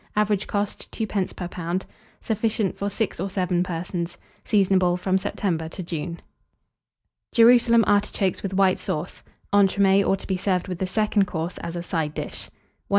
Average cost, 2d. per lb. Sufficient for 6 or 7 persons. Seasonable from September to June. JERUSALEM ARTICHOKES WITH WHITE SAUCE. (Entremets, or to be served with the Second Course as a Side dish.) 1086.